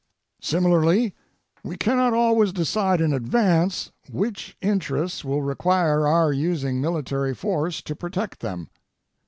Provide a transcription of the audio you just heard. Similarly, we cannot always decide in advance which interests will require our using military force to protect them.